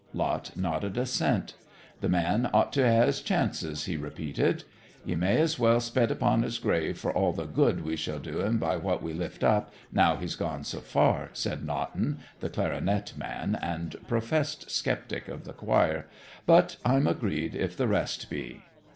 Lot nodded assent. 'The man ought to hae his chances,' he repeated. 'Ye may as well spet upon his grave, for all the good we shall do en by what we lift up, now he's got so far,' said Notton, the clarionet man and professed sceptic of the choir. 'But I'm agreed if the rest be.'